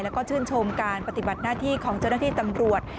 แล้วก็ชื่นชมการปฏิบัติหน้าที่ของเจ้าหน้าที่ตำรวจ